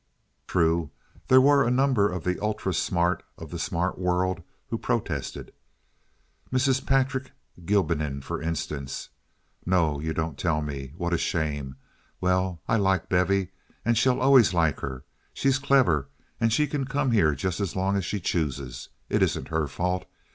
True, there were a number—the ultra smart of the smart world—who protested. Mrs. Patrick Gilbennin, for instance: "No! You don't tell me? What a shame! Well, I like Bevy and shall always like her. She's clever, and she can come here just as long as she chooses. It isn't her fault.